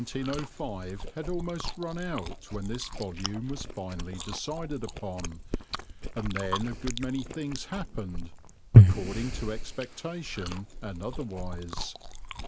The year 1905 had almost run out when this volume was finally decided upon, and then a good many things happened, according to expectation and otherwise.